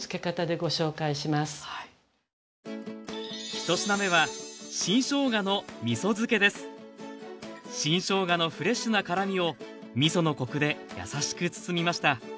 １品目は新しょうがのフレッシュな辛みをみそのコクで優しく包みました。